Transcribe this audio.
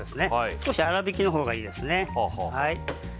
少し粗びきのほうがいいですね。